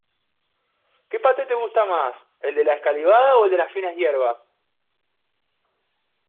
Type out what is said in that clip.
¿Qué paté te gusta más, el de escalivada o el de finas hierbas?